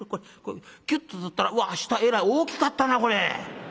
キュッと取ったらわあ下えらい大きかったなこれ。